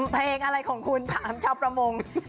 เพลงอะไรของคุณถามชาวประมง